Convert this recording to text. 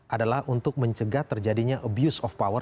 adalah untuk mencegah terjadinya abuse of power